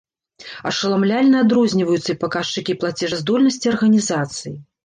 Ашаламляльна адрозніваюцца і паказчыкі плацежаздольнасці арганізацый.